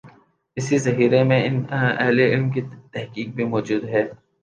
اسی ذخیرے میں ان اہل علم کی تحقیق بھی موجود ہے۔